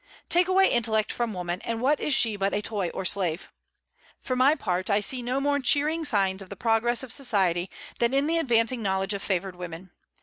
Take away intellect from woman, and what is she but a toy or a slave? For my part, I see no more cheering signs of the progress of society than in the advancing knowledge of favored women.